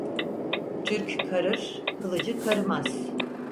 Türk karır, kılıcı karımaz.